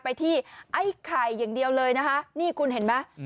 ไปที่ไอ้ไข่อย่างเดียวเลยนะคะนี่คุณเห็นไหม